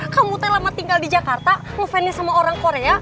kamu teh lama tinggal di jakarta ngefansnya sama orang korea